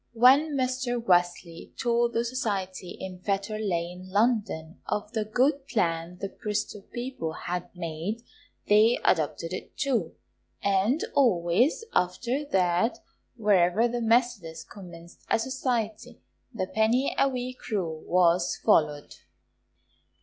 When Mr. Wesley told the society in Fetter Lane, London, of the good plan the Bristol people had made, they adopted it too, and always after that wherever the Methodists commenced a society, the penny a week rule was followed.